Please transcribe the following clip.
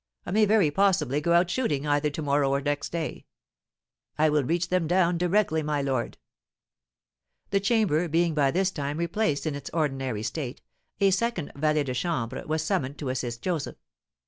I may very possibly go out shooting either to morrow or next day." "I will reach them down directly, my lord." The chamber being by this time replaced in its ordinary state, a second valet de chambre was summoned to assist Joseph.